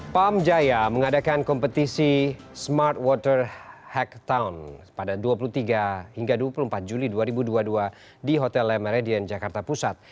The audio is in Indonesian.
pam jaya mengadakan kompetisi smart water hack town pada dua puluh tiga hingga dua puluh empat juli dua ribu dua puluh dua di hotel lemaridian jakarta pusat